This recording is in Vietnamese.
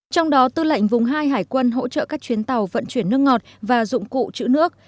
trong đó tư lệnh vùng hai hải quân hỗ trợ các chuyến tàu vận chuyển nước ngọt và dụng cụ chữ nước